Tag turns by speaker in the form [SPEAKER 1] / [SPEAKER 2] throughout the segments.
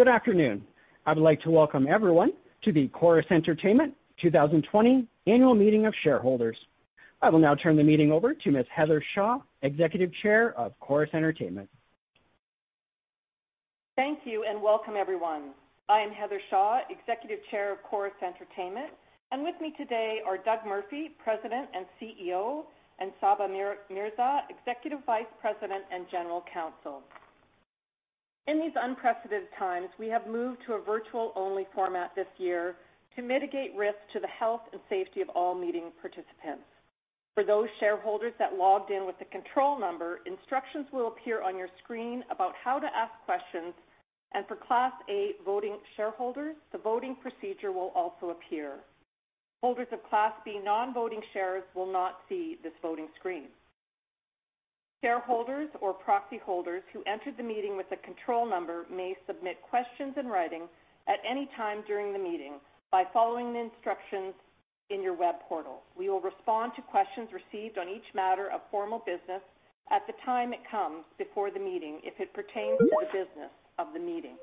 [SPEAKER 1] Good afternoon. I would like to welcome everyone to the Corus Entertainment 2020 Annual Meeting of Shareholders. I will now turn the meeting over to Ms. Heather Shaw, Executive Chair of Corus Entertainment.
[SPEAKER 2] Thank you and welcome, everyone. I am Heather Shaw, Executive Chair of Corus Entertainment, and with me today are Doug Murphy, President and CEO, and Sabah Mirza, Executive Vice President and General Counsel. In these unprecedented times, we have moved to a virtual-only format this year to mitigate risk to the health and safety of all meeting participants. For those shareholders that logged in with a control number, instructions will appear on your screen about how to ask questions, and for Class A voting shareholders, the voting procedure will also appear. Holders of Class B non-voting shares will not see this voting screen. Shareholders or proxy holders who entered the meeting with a control number may submit questions in writing at any time during the meeting by following the instructions in your web portal. We will respond to questions received on each matter of formal business at the time it comes before the meeting if it pertains to the business of the meeting.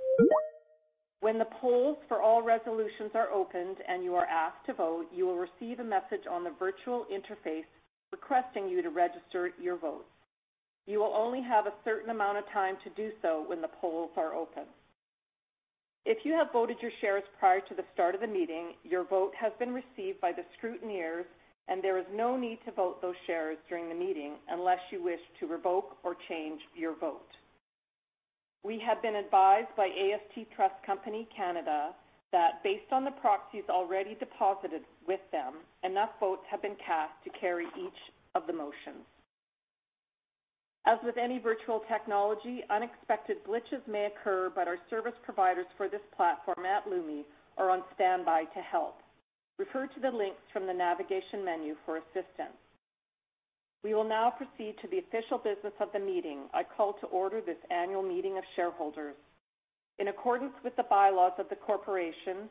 [SPEAKER 2] When the polls for all resolutions are opened and you are asked to vote, you will receive a message on the virtual interface requesting you to register your votes. You will only have a certain amount of time to do so when the polls are open. If you have voted your shares prior to the start of the meeting, your vote has been received by the scrutineers, and there is no need to vote those shares during the meeting unless you wish to revoke or change your vote. We have been advised by AST Trust Company (Canada) that based on the proxies already deposited with them, enough votes have been cast to carry each of the motions. As with any virtual technology, unexpected glitches may occur, but our service providers for this platform at Lumi are on standby to help. Refer to the links from the navigation menu for assistance. We will now proceed to the official business of the meeting. I call to order this annual meeting of shareholders. In accordance with the bylaws of the corporation,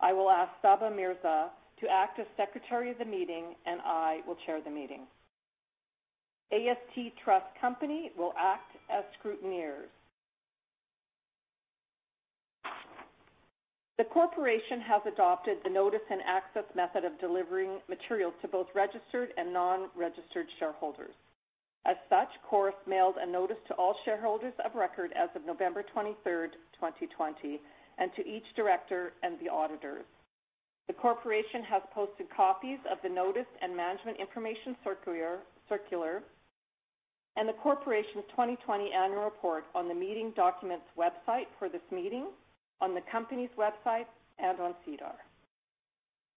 [SPEAKER 2] I will ask Sabah Mirza to act as Secretary of the meeting, and I will chair the meeting. AST Trust Company will act as scrutineers. The corporation has adopted the notice-and-access method of delivering materials to both registered and non-registered shareholders. As such, Corus mailed a notice to all shareholders of record as of November 23rd, 2020, and to each director and the auditors. The corporation has posted copies of the notice and management information circular, and the corporation's 2020 annual report on the meeting documents website for this meeting, on the company's website, and on SEDAR.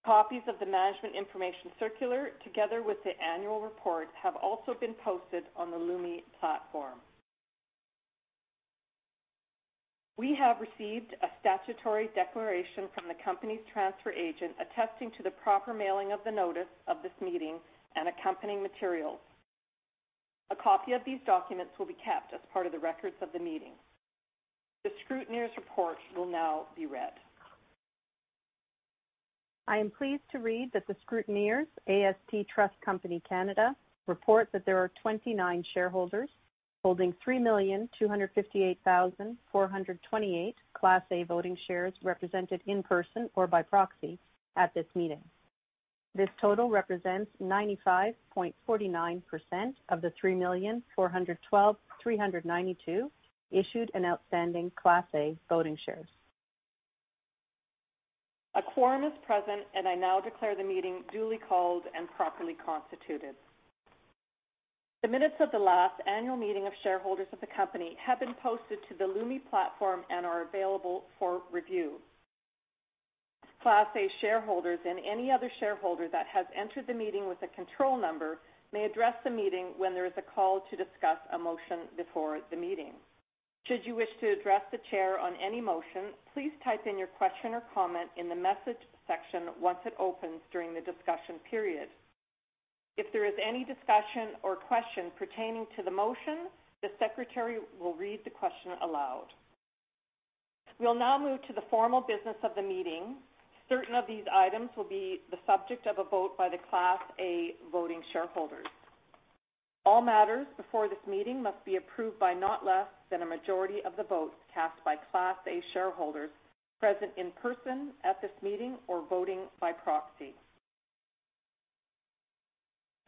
[SPEAKER 2] Copies of the management information circular together with the annual report have also been posted on the Lumi platform. We have received a statutory declaration from the company's transfer agent attesting to the proper mailing of the notice of this meeting and accompanying materials. A copy of these documents will be kept as part of the records of the meeting. The scrutineer's report will now be read.
[SPEAKER 3] I am pleased to read that the scrutineers, AST Trust Company (Canada), report that there are 29 shareholders holding 3,258,428 Class A voting shares represented in person or by proxy at this meeting. This total represents 95.49% of the 3,412,392 issued and outstanding Class A voting shares.
[SPEAKER 2] A quorum is present, and I now declare the meeting duly called and properly constituted. The minutes of the last annual meeting of shareholders of the company have been posted to the Lumi platform and are available for review. Class A shareholders and any other shareholder that has entered the meeting with a control number may address the meeting when there is a call to discuss a motion before the meeting. Should you wish to address the Chair on any motion, please type in your question or comment in the message section once it opens during the discussion period. If there is any discussion or question pertaining to the motion, the secretary will read the question aloud. We'll now move to the formal business of the meeting. Certain of these items will be the subject of a vote by the Class A voting shareholders. All matters before this meeting must be approved by not less than a majority of the votes cast by Class A shareholders present in person at this meeting or voting by proxy.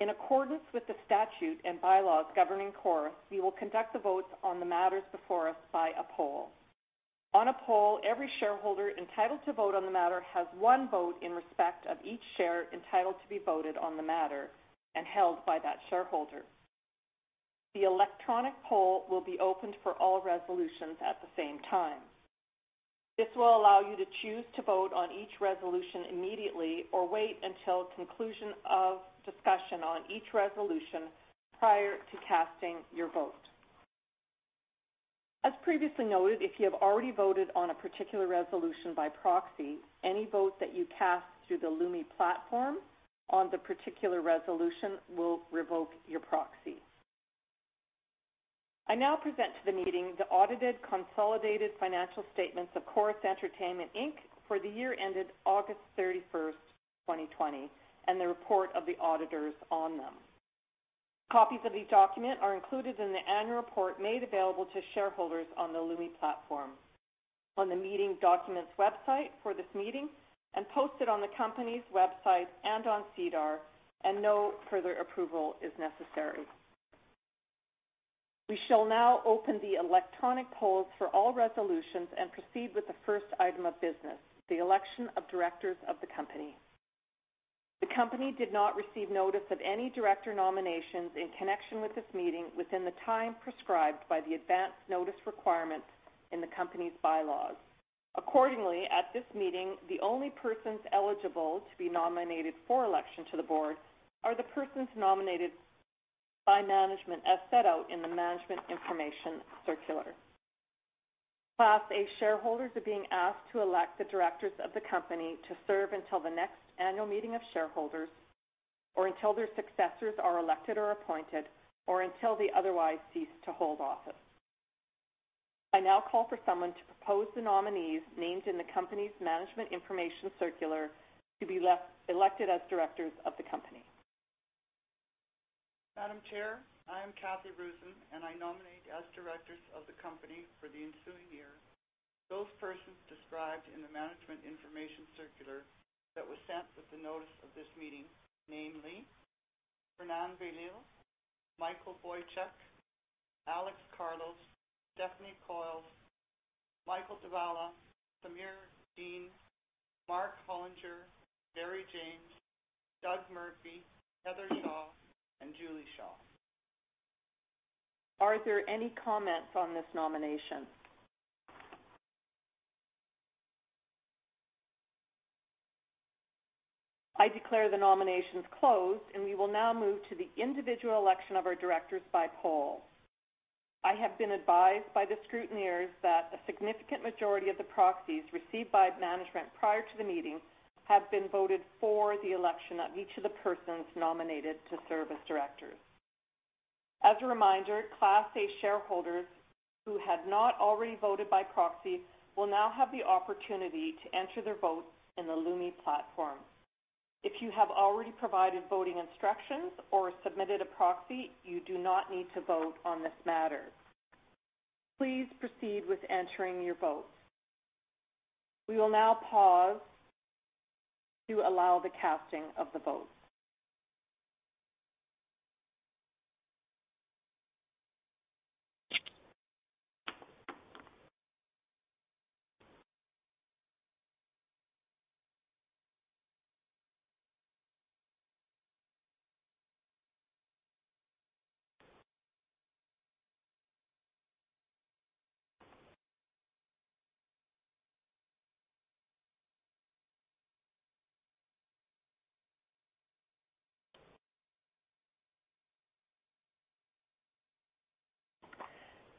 [SPEAKER 2] In accordance with the statute and bylaws governing Corus, we will conduct the votes on the matters before us by a poll. On a poll, every shareholder entitled to vote on the matter has one vote in respect of each share entitled to be voted on the matter and held by that shareholder. The electronic poll will be opened for all resolutions at the same time. This will allow you to choose to vote on each resolution immediately or wait until conclusion of discussion on each resolution prior to casting your vote. As previously noted, if you have already voted on a particular resolution by proxy, any vote that you cast through the Lumi platform on the particular resolution will revoke your proxy. I now present to the meeting the audited consolidated financial statements of Corus Entertainment Inc. for the year ended August 31st, 2020, and the report of the auditors on them. Copies of each document are included in the annual report made available to shareholders on the Lumi platform, on the meeting documents website for this meeting, and posted on the company's website and on SEDAR, and no further approval is necessary. We shall now open the electronic polls for all resolutions and proceed with the first item of business, the election of directors of the company. The company did not receive notice of any director nominations in connection with this meeting within the time prescribed by the advance notice requirements in the company's bylaws. Accordingly, at this meeting, the only persons eligible to be nominated for election to the board are the persons nominated by management as set out in the management information circular. Class A shareholders are being asked to elect the directors of the company to serve until the next annual meeting of shareholders or until their successors are elected or appointed or until they otherwise cease to hold office. I now call for someone to propose the nominees named in the company's management information circular to be elected as directors of the company.
[SPEAKER 4] Madam Chair, I am Cathy Roozen, and I nominate as directors of the company for the ensuing year those persons described in the management information circular that was sent with the notice of this meeting, namely Fernand Bélisle, Michael Boychuk, Alex Carloss, Stephanie Coyles, Michael D'Avella, Sameer Deen, Mark Hollinger, Barry James, Doug Murphy, Heather Shaw, and Julie Shaw.
[SPEAKER 2] Are there any comments on this nomination? I declare the nominations closed, and we will now move to the individual election of our directors by poll. I have been advised by the scrutineers that a significant majority of the proxies received by management prior to the meeting have been voted for the election of each of the persons nominated to serve as directors. As a reminder, Class A shareholders who have not already voted by proxy will now have the opportunity to enter their votes in the Lumi platform. If you have already provided voting instructions or submitted a proxy, you do not need to vote on this matter. Please proceed with entering your votes. We will now pause to allow the casting of the votes.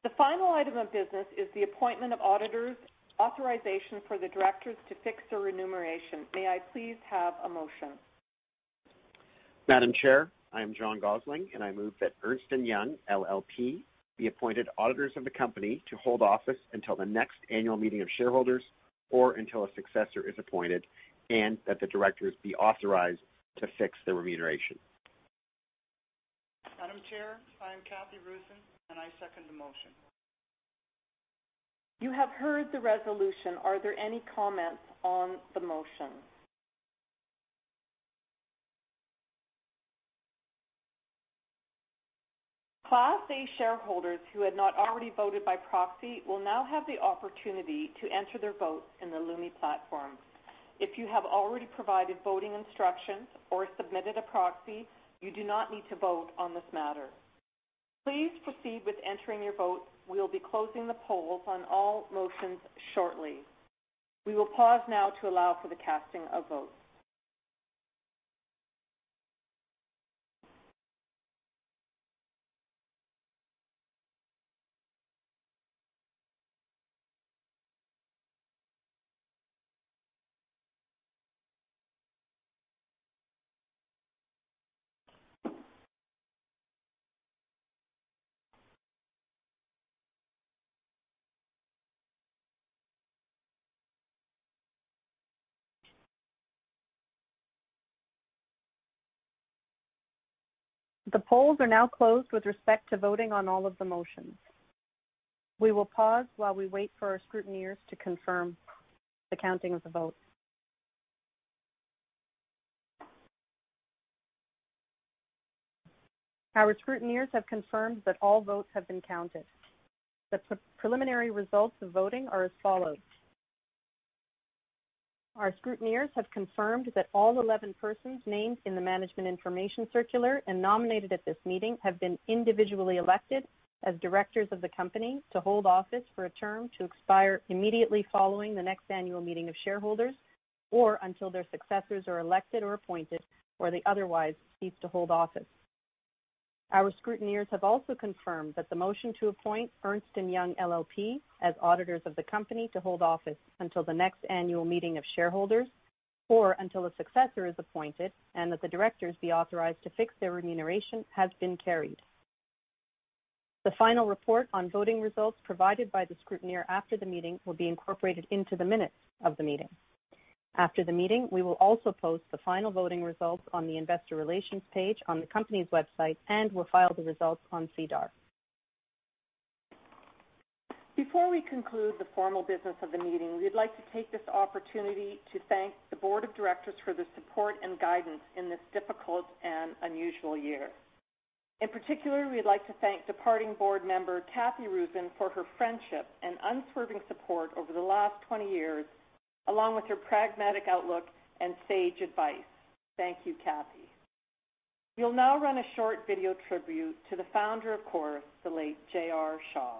[SPEAKER 2] The final item of business is the appointment of auditors, authorization for the directors to fix their remuneration. May I please have a motion?
[SPEAKER 5] Madam Chair, I am John Gossling, and I move that Ernst & Young LLP be appointed auditors of the company to hold office until the next annual meeting of shareholders or until a successor is appointed, and that the directors be authorized to fix their remuneration.
[SPEAKER 4] Madam Chair, I am Cathy Roozen, and I second the motion.
[SPEAKER 2] You have heard the resolution. Are there any comments on the motion? Class A shareholders who had not already voted by proxy will now have the opportunity to enter their votes in the Lumi platform. If you have already provided voting instructions or submitted a proxy, you do not need to vote on this matter. Please proceed with entering your votes. We will be closing the polls on all motions shortly. We will pause now to allow for the casting of votes.
[SPEAKER 3] The polls are now closed with respect to voting on all of the motions. We will pause while we wait for our scrutineers to confirm the counting of the votes. Our scrutineers have confirmed that all votes have been counted. The pre-preliminary results of voting are as follows. Our scrutineers have confirmed that all 11 persons named in the management information circular and nominated at this meeting have been individually elected as directors of the company to hold office for a term to expire immediately following the next annual meeting of shareholders or until their successors are elected or appointed or they otherwise cease to hold office. Our scrutineers have also confirmed that the motion to appoint Ernst & Young LLP as auditors of the company to hold office until the next annual meeting of shareholders or until a successor is appointed and that the directors be authorized to fix their remuneration has been carried. The final report on voting results provided by the scrutineer after the meeting will be incorporated into the minutes of the meeting. After the meeting, we will also post the final voting results on the investor relations page on the company's website, and we'll file the results on SEDAR.
[SPEAKER 2] Before we conclude the formal business of the meeting, we'd like to take this opportunity to thank the board of directors for the support and guidance in this difficult and unusual year. In particular, we'd like to thank departing board member Cathy Roozen for her friendship and unswerving support over the last 20-years, along with her pragmatic outlook and sage advice. Thank you, Cathy. We'll now run a short video tribute to the founder of Corus, the late J.R. Shaw.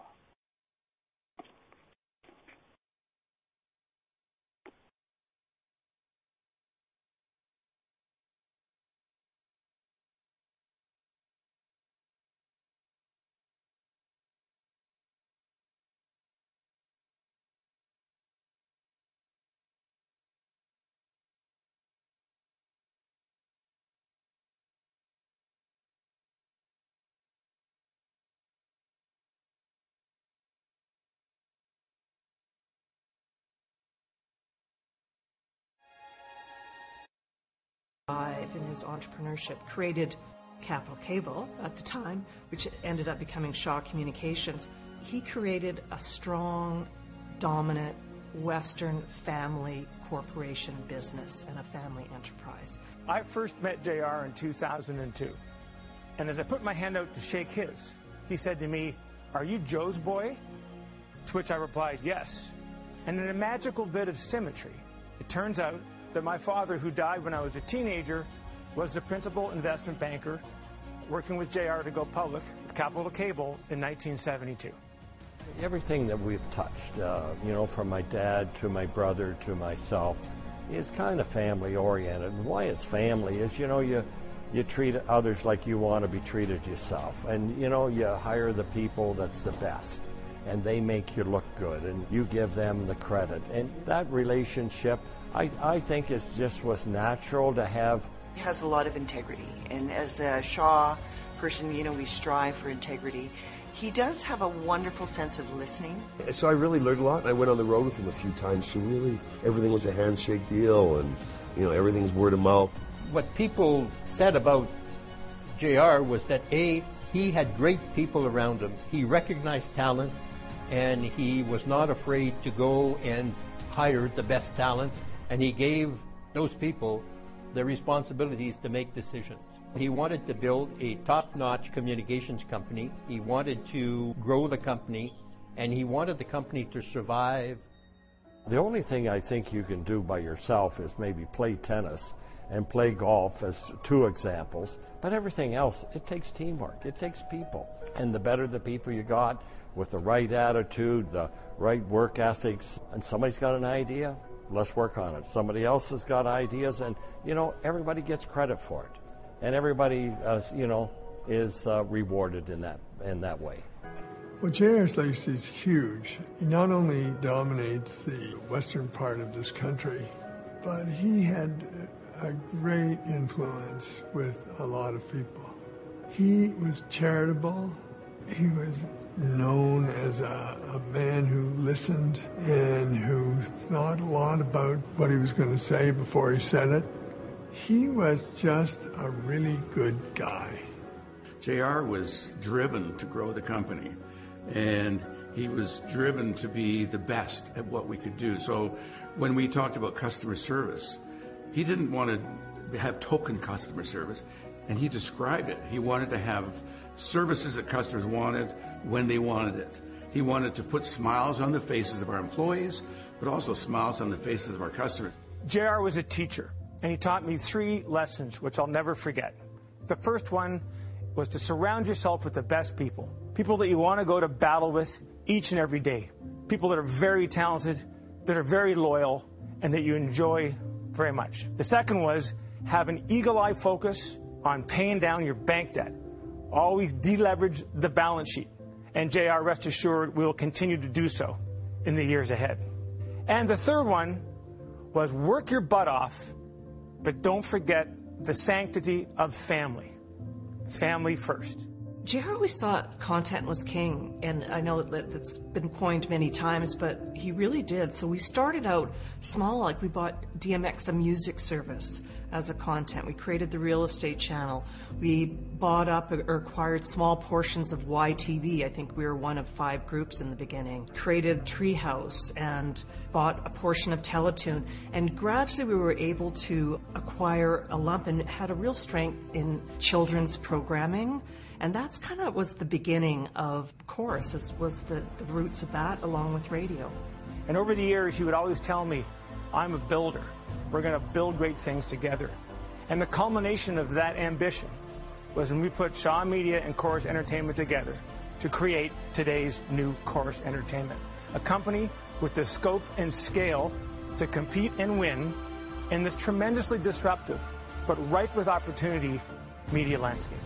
[SPEAKER 6] Drive in his entrepreneurship, created Capital Cable at the time, which ended up becoming Shaw Communications. He created a strong, dominant Western family corporation business and a family enterprise. I first met J.R. in 2002, and as I put my hand out to shake his, he said to me, "Are you Joe's boy?" To which I replied, "Yes." In a magical bit of symmetry, it turns out that my father, who died when I was a teenager, was the principal investment banker working with J.R. to go public with Capital Cable in 1972. Everything that we've touched, you know, from my dad to my brother to myself, is kind of family-oriented. Why it's family is, you know, you treat others like you wanna be treated yourself. You know, you hire the people that's the best, and they make you look good, and you give them the credit. That relationship, I think is just was natural to have. He has a lot of integrity, and as a Shaw person, you know, we strive for integrity. He does have a wonderful sense of listening. I really learned a lot, and I went on the road with him a few times. Really everything was a handshake deal and, you know, everything's word of mouth. What people said about J.R. was that, A, he had great people around him. He recognized talent, and he was not afraid to go and hire the best talent, and he gave those people the responsibilities to make decisions. He wanted to build a top-notch communications company. He wanted to grow the company, and he wanted the company to survive. The only thing I think you can do by yourself is maybe play tennis and play golf, as two examples, but everything else, it takes teamwork. It takes people. The better the people you got, with the right attitude, the right work ethics, and somebody's got an idea, let's work on it. Somebody else has got ideas and, you know, everybody gets credit for it. Everybody, you know, is rewarded in that, in that way. Well, J.R.'s legacy is huge. He not only dominates the western part of this country, but he had a great influence with a lot of people. He was charitable. He was known as a man who listened and who thought a lot about what he was gonna say before he said it. He was just a really good guy. J.R. was driven to grow the company, and he was driven to be the best at what we could do. When we talked about customer service, he didn't wanna have token customer service, and he described it. He wanted to have services that customers wanted when they wanted it. He wanted to put smiles on the faces of our employees, but also smiles on the faces of our customers. J.R. was a teacher. He taught me three lessons which I'll never forget. The first one was to surround yourself with the best people that you wanna go to battle with each and every day, people that are very talented, that are very loyal, and that you enjoy very much. The second was have an eagle-eye focus on paying down your bank debt. Always de-leverage the balance sheet. J.R., rest assured, we'll continue to do so in the years ahead. The third one was work your butt off, but don't forget the sanctity of family. Family first. J.R. always thought content was king, I know that's been coined many times, but he really did. We started out small, like we bought DMX, a music service, as a content. We created the Home Network. We bought up or acquired small portions of YTV, I think we were 1 of 5 groups in the beginning, created Treehouse, bought a portion of Teletoon. Gradually we were able to acquire a lump and had a real strength in children's programming, and that's kinda was the beginning of Corus, was the roots of that, along with radio. Over the years he would always tell me, "I'm a builder. We're gonna build great things together." The culmination of that ambition was when we put Shaw Media and Corus Entertainment together to create today's new Corus Entertainment, a company with the scope and scale to compete and win in this tremendously disruptive but ripe with opportunity media landscape.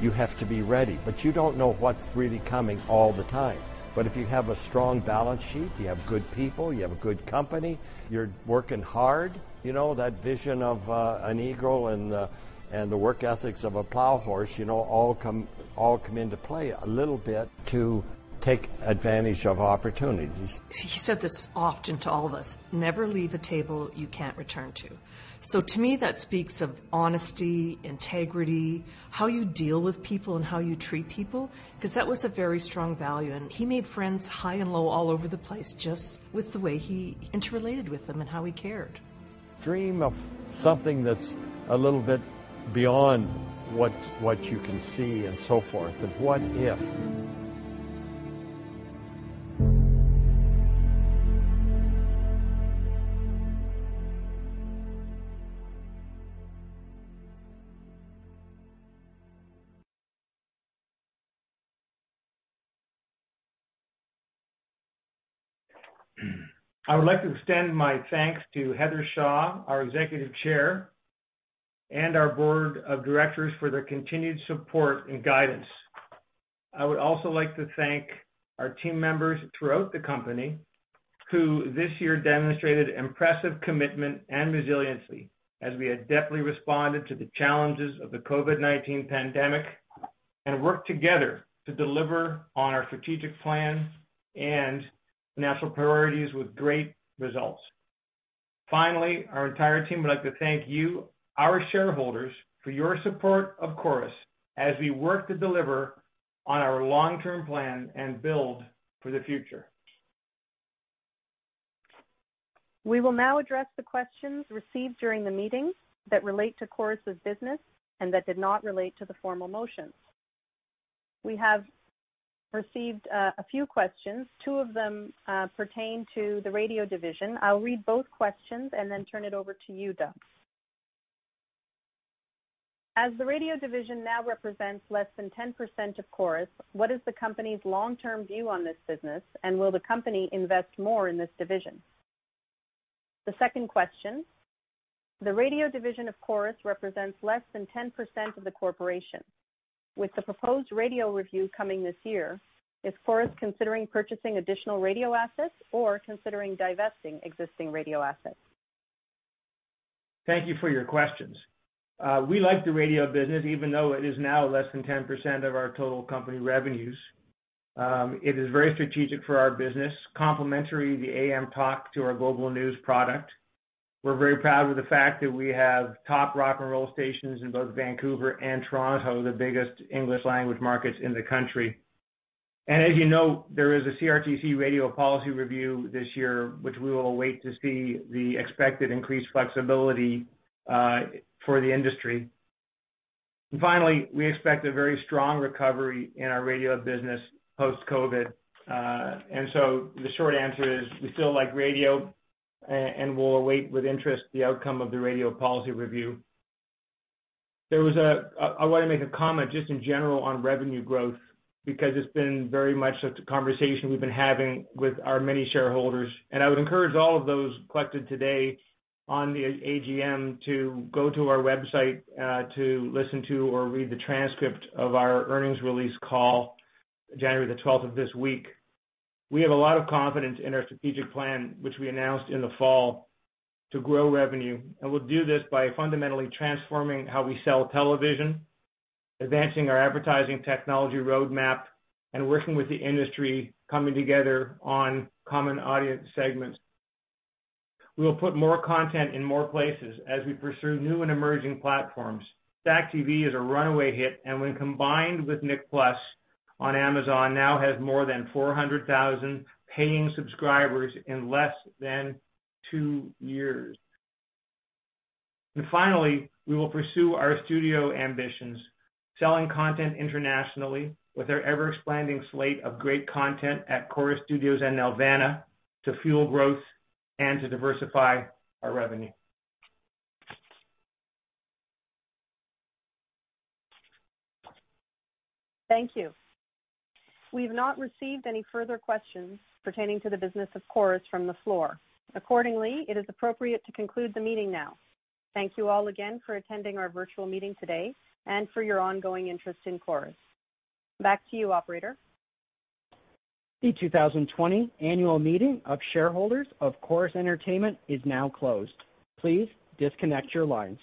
[SPEAKER 6] You have to be ready, but you don't know what's really coming all the time, but if you have a strong balance sheet, you have good people, you have a good company, you're working hard, you know, that vision of an eagle and the work ethics of a plow horse, you know, all come into play a little bit to take advantage of opportunities. He said this often to all of us, never leave a table you can't return to. To me, that speaks of honesty, integrity, how you deal with people and how you treat people, because that was a very strong value. He made friends high and low all over the place just with the way he interrelated with them and how he cared. Dream of something that's a little bit beyond what you can see and so forth, of what if.
[SPEAKER 7] I would like to extend my thanks to Heather Shaw, our Executive Chair, and our Board of Directors for their continued support and guidance. I would also like to thank our team members throughout the company who this year demonstrated impressive commitment and resiliency as we adeptly responded to the challenges of the COVID-19 pandemic and worked together to deliver on our strategic plan and financial priorities with great results. Finally, our entire team would like to thank you, our shareholders, for your support of Corus as we work to deliver on our long-term plan and build for the future.
[SPEAKER 3] We will now address the questions received during the meeting that relate to Corus' business and that did not relate to the formal motions. We have received a few questions. Two of them pertain to the radio division. I'll read both questions and then turn it over to you, Doug. As the radio division now represents less than 10% of Corus, what is the company's long-term view on this business and will the company invest more in this division? The second question, the radio division of Corus represents less than 10% of the corporation. With the proposed radio review coming this year, is Corus considering purchasing additional radio assets or considering divesting existing radio assets?
[SPEAKER 7] Thank you for your questions. We like the radio business, even though it is now less than 10% of our total company revenues. It is very strategic for our business, complementary the AM talk to our Global News product. We're very proud of the fact that we have top rock and roll stations in both Vancouver and Toronto, the biggest English language markets in the country. As you know, there is a CRTC radio policy review this year, which we will await to see the expected increased flexibility for the industry. Finally, we expect a very strong recovery in our radio business post-COVID. The short answer is we still like radio and we'll await with interest the outcome of the radio policy review. I want to make a comment just in general on revenue growth, because it's been very much a conversation we've been having with our many shareholders. I would encourage all of those collected today on the AGM to go to our website to listen to or read the transcript of our earnings release call January the 12th of this week. We have a lot of confidence in our strategic plan, which we announced in the fall to grow revenue. We'll do this by fundamentally transforming how we sell television, advancing our advertising technology roadmap and working with the industry coming together on common audience segments. We will put more content in more places as we pursue new and emerging platforms. STACKTV is a runaway hit and when combined with Nick+ on Amazon now has more than 400,000 paying subscribers in less than two years. Finally, we will pursue our studio ambitions, selling content internationally with our ever-expanding slate of great content at Corus Studios and Nelvana to fuel growth and to diversify our revenue.
[SPEAKER 3] Thank you. We've not received any further questions pertaining to the business of Corus from the floor. Accordingly, it is appropriate to conclude the meeting now. Thank you all again for attending our virtual meeting today and for your ongoing interest in Corus. Back to you, operator.
[SPEAKER 1] The 2020 annual meeting of shareholders of Corus Entertainment is now closed. Please disconnect your lines.